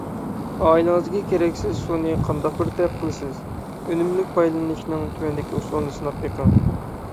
ئائىلىڭىزدىكى كېرەكسىز سۇنى قانداق بىر تەرەپ قىلىسىز؟ ئۈنۈملۈك پايدىلىنىشنىڭ تۆۋەندىكى ئۇسۇلىنى سىناپ بېقىڭ.